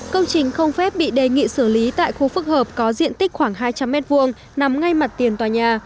công trình không phép bị đề nghị xử lý tại khu phức hợp có diện tích khoảng hai trăm linh m hai nằm ngay mặt tiền tòa nhà